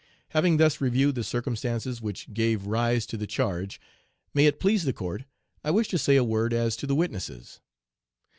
Having thus reviewed the circumstances which gave rise to the charge, may it please the court, I wish to say a word as to the witnesses.